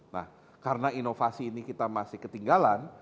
nah karena inovasi ini kita masih ketinggalan